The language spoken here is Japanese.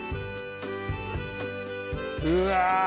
うわ。